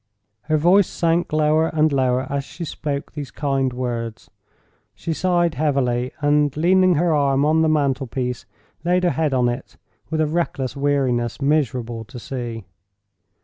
Her voice sank lower and lower as she spoke those kind words. She sighed heavily, and, leaning her arm on the mantel piece, laid her head on it with a reckless weariness miserable to see.